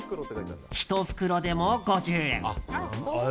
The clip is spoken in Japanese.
１袋でも５０円。